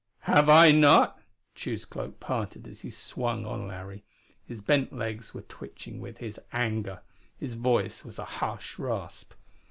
"Have I not?" Tugh's cloak parted as he swung on Larry. His bent legs were twitching with his anger; his voice was a harsh rasp.